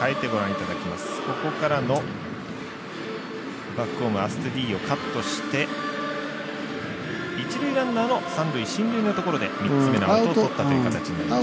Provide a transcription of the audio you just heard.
ここからのバックホームアストゥディーヨ、カットして一塁ランナーの三塁進入のところで３つ目のアウトをとったという形になりました。